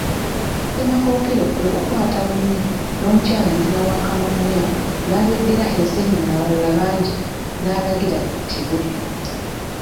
Ssemakookiro kwe kukwata Bunnya n'Omukyala nnyina wa Kamaanya n'abeddira enseenene abalala bangi n'alagira battibwe.